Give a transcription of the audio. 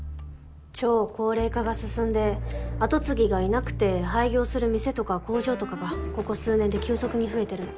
超高齢化が進んで後継ぎがいなくて廃業する店とか工場とかがここ数年で急速に増えてるの。